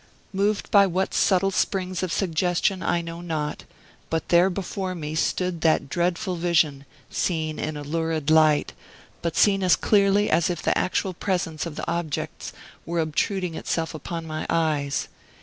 Moved by what subtle springs of suggestion I know not, but there before me stood that dreadful vision, seen in a lurid light, but seen as clearly as if the actual presence of the objects were obtruding itself upon my eyes.